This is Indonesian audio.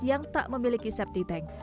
yang tak memiliki septi tank